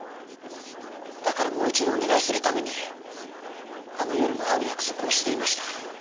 だからもう一度お願いするためにあの夜も会う約束をしていました。